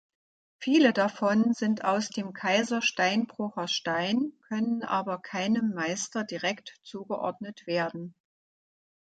Viele davon sind aus dem Kaisersteinbrucher Stein, können aber keinem Meister direkt zugeordnet werden.